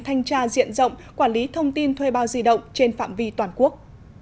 thanh tra diện rộng quản lý thông tin thuê bao di động trên phạm vi toàn quốc